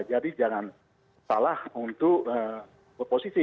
jadi jangan salah untuk berposisi